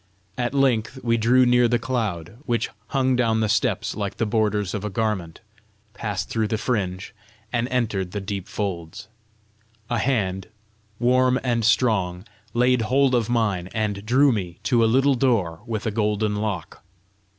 At length we drew near the cloud, which hung down the steps like the borders of a garment, passed through the fringe, and entered the deep folds. A hand, warm and strong, laid hold of mine, and drew me to a little door with a golden lock.